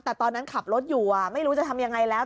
แต่ตอนนั้นขับรถอยู่ไม่รู้จะทำยังไงแล้ว